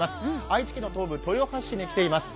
愛知県の東部・豊橋に来ています。